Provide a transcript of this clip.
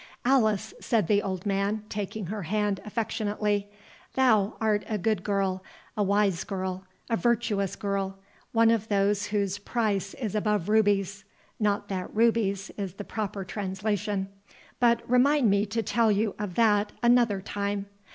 "Alice," said the old man, taking her hand affectionately, "thou art a good girl, a wise girl, a virtuous girl, one of those whose price is above rubies—not that rubies is the proper translation—but remind me to tell you of that another time.